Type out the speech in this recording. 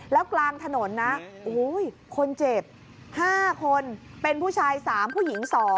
แล้วกลางถนนนะคนเจ็บ๕คนเป็นผู้ชาย๓ผู้หญิง๒